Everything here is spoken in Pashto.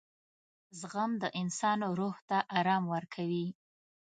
• زغم د انسان روح ته آرام ورکوي.